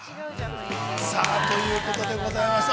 さあということでございまして。